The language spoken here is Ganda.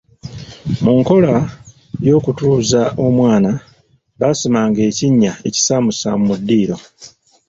Mu nkola y'okutuuza omwana, baasimanga ekinnya ekisaamusaamu mu ddiiro.